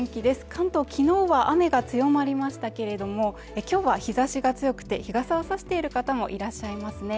昨日は雨が強まりましたけれども今日は日差しが強くて日傘を差している方もいらっしゃいますね